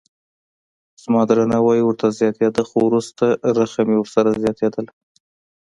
زما درناوی ورته زیاتېده خو وروسته رخه مې ورسره زیاتېدله.